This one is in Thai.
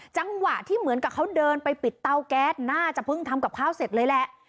จังหวะที่เหมือนกับเขาเดินไปปิดเตาแก๊สน่าจะเพิ่งทำกับข้าวเสร็จเลยแหละ